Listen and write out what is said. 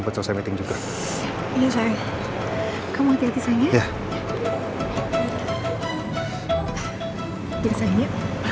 biasanya pelan pelan aja jalannya ya